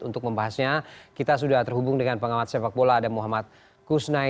untuk membahasnya kita sudah terhubung dengan pengamat sepak bola ada muhammad kusnai